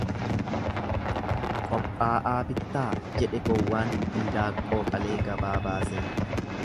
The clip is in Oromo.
Qophaa'aa bittaa jedhe gowwaan hindaaqqoo qalee gabaa baasee.